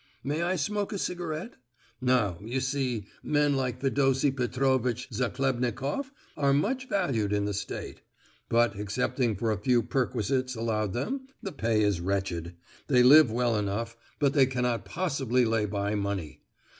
"May I smoke a cigarette? Now, you see, men like Fedosie Petrovitch Zachlebnikoff are much valued in the State; but, excepting for a few perquisites allowed them, the pay is wretched; they live well enough, but they cannot possibly lay by money.